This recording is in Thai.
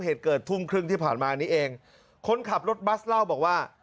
เหตุเกิดทุ่มครึ่งที่ผ่านมานี้เองคนขับรถบัสเล่าบอกว่า